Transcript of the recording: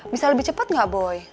bisa lebih cepat nggak boy